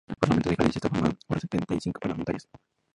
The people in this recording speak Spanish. El Parlamento de Galicia está formado por setenta y cinco parlamentarios.